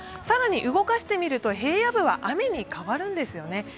更に動かしてみると平野部は雨に変わるんですよね。